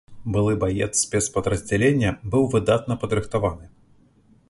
Былы баец спецпадраздзялення, быў выдатна падрыхтаваны.